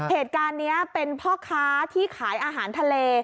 เหตุการณ์นี้เป็นพ่อค้าที่ขายอาหารทะเล